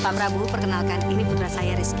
pak prabowo perkenalkan ini putra saya rizky